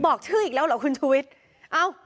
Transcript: บอกชื่ออีกแล้วเหรอคุณชุวิต